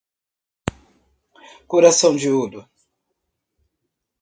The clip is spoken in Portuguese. Coração de ouro